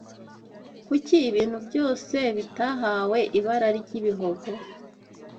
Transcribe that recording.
Kuki ibintu byose bitahawe ibara ry’ibihogo?